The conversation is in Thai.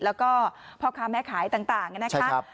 แล้วก็พ่อค้าแม่ขายต่างอย่างนั้นนะครับ